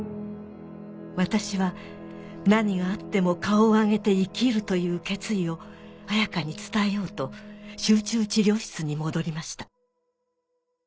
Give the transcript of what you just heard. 「私は『何があっても顔を上げて生きる』という決意を彩花に伝えようと集中治療室に戻りました」